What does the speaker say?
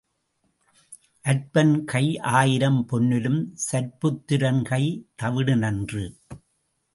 அற்பன் கை ஆயிரம் பொன்னிலும் சற்புத்திரன் கைத் தவிடு நன்று.